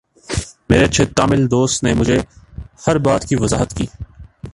میرے اچھے تامل دوست نے مجھے ہر بات کی وضاحت کی